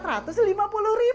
tuh pak liat